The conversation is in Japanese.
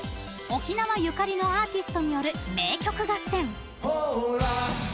沖縄ゆかりのアーティストによる名曲合戦。